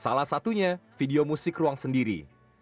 salah satunya video musik ruang sendiri